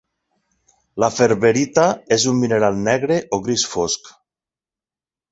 La ferberita és un mineral negre o gris fosc.